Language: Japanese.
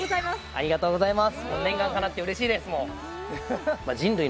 ありがとうございます。